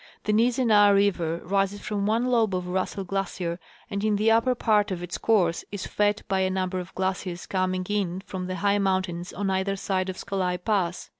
The Nizzenah river rises from one lobe of Russell glacier and in the upper part of its course is fed by a number of glaciers coming in from the high mountains on either side of Scolai pass.